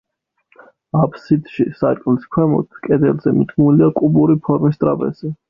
აფსიდში, სარკმლის ქვემოთ, კედელზე, მიდგმულია კუბური ფორმის ტრაპეზი.